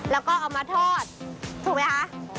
แล้วก็เอามาทอดถูกไหมคะ